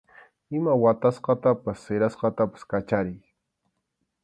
Ima watasqatapas sirasqatapas kachariy.